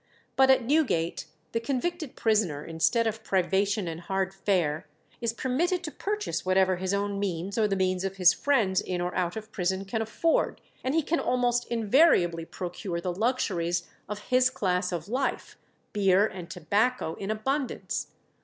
But at Newgate the convicted prisoner, instead of privation and hard fare, "is permitted to purchase whatever his own means or the means of his friends in or out of prison can afford, and he can almost invariably procure the luxuries of his class of life, beer and tobacco, in abundance.